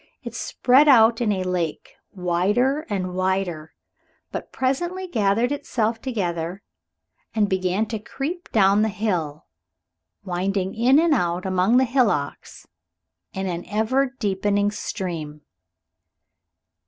It spread out in a lake, wider and wider; but presently gathered itself together and began to creep down the hill, winding in and out among the hillocks in an ever deepening stream.